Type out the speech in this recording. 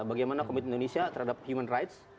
bagaimana komitmen indonesia terhadap human rights